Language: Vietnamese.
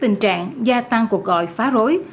tình trạng gia tăng cuộc gọi phá rối